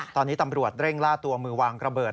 ตอนนี้ตำรวจเร่งล่าตัวมือวางระเบิด